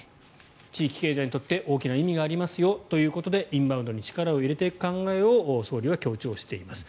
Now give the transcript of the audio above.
地域経済にとって大きな意味がありますよということでインバウンドに力を入れていく考えを総理は強調しています。